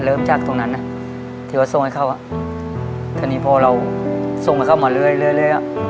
เริ่มจากตรงนั้นที่ว่าส่งให้เขาอ่ะทีนี้พอเราส่งให้เข้ามาเรื่อยเรื่อย